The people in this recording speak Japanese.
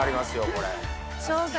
これ。